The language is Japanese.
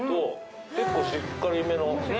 結構しっかりめの。